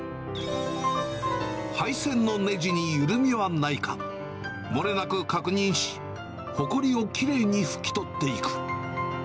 配線のねじに緩みはないか、漏れなく確認し、ほこりをきれいに拭き取っていく。